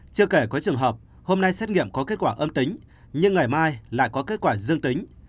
chưa kể có trường hợp hôm nay xét nghiệm có kết quả âm tính nhưng ngày mai lại có kết quả dương tính